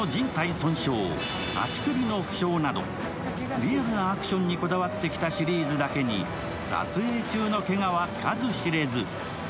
リアルなアクションにこだわってきたシリーズだけに撮影中のけがは数知れず。